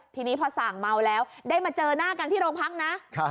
ทีนี้พอส่างเมาแล้วได้มาเจอหน้ากันที่โรงพักนะ